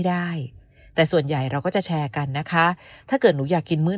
ได้แต่ส่วนใหญ่เราก็จะแชร์กันนะคะถ้าเกิดหนูอยากกินมื้อ